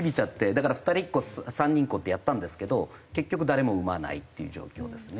だから二人っ子三人っ子ってやったんですけど結局誰も産まないっていう状況ですね。